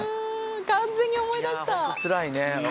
完全に思い出した。